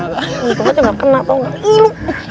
itu aja gak kena tau gak